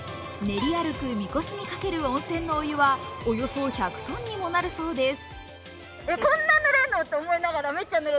練り歩くみこしにかける温泉のお湯はおよそ１００ｔにもなるそうです。